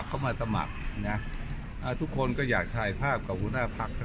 ต้องได้จะปฏิวัยด้วยมีภาพถ่ายให้ทุกท่านใบคุยกัน